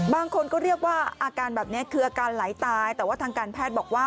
บางคนก็เรียกว่าอาการแบบนี้คืออาการไหลตายแต่ว่าทางการแพทย์บอกว่า